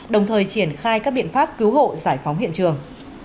đồng thời triển khai các biện pháp cứu hộ giải phóng hiện trường